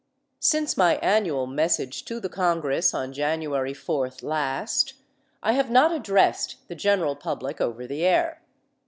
Since my annual message to the Congress on January fourth, last, I have not addressed the general public over the air.